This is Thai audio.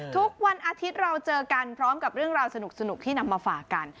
ทุกวันอาทิตย์เราเจอกันพร้อมกับเรื่องราวสนุกที่นำมาฝากกัน